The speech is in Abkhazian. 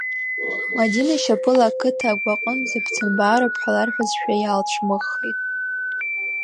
Мадина шьапыла ақыҭа агәаҟынӡа бцан баароуп ҳәа ларҳәазшәа иаалцәымыӷхеит.